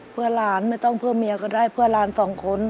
เพื่อหลานไม่ต้องเพื่อเมียก็ได้เพื่อหลานสองคน